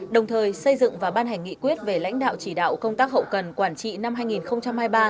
đồng thời xây dựng và ban hành nghị quyết về lãnh đạo chỉ đạo công tác hậu cần quản trị năm hai nghìn hai mươi ba